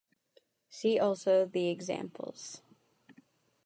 See also the examples.